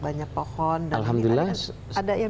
banyak pohon dan alhamdulillah ada yang